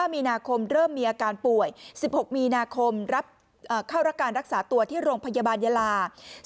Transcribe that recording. มีนาคมเริ่มมีอาการป่วย๑๖มีนาคมรับเข้ารับการรักษาตัวที่โรงพยาบาลยาลา